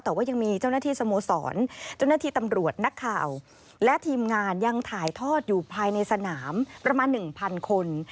แต่ว่ายังมีเจ้าหน้าที่สโมสรเจ้าหน้าที่ตำรวจนักข่าวและทีมงานยังถ่ายทอดอยู่ภายในสนามประมาณ๑๐๐คน